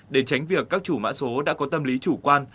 để tránh việc các chủ mã số đã có tâm lý chủ quan